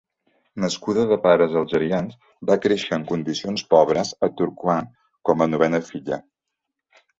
Nascuda de pares algerians, va créixer en condicions pobres a Tourcoing com a novena filla.